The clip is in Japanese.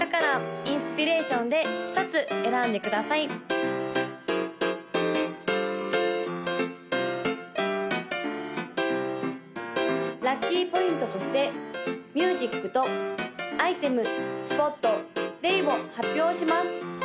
・赤色紫色黄色青色の・ラッキーポイントとしてミュージックとアイテムスポットデイを発表します！